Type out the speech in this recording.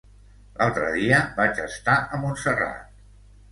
L'altre dia vaig estar a Montserrat.